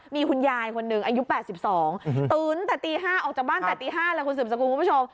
มีคุณยายคนหนึ่งอายุ๘๒ตื่นแต่ตี๕ออกจากบ้านแต่ตี๕เลยคุณสืบสกุลคุณผู้ชม